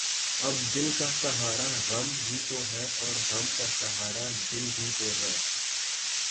اب دل کا سہارا غم ہی تو ہے اب غم کا سہارا دل ہی تو ہے